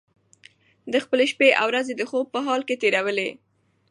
ده خپلې شپې او ورځې د خوب په حال کې تېرولې.